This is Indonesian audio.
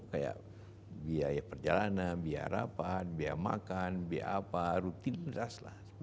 kayak biaya perjalanan biaya harapan biaya makan biaya apa rutin ras